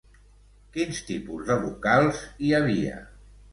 Quin tipus de locals hi havia?